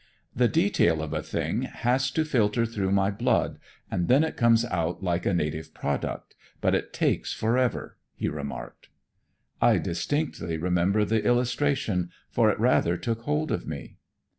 "The detail of a thing has to filter through my blood, and then it comes out like a native product, but it takes forever," he remarked. I distinctly remember the illustration, for it rather took hold of me.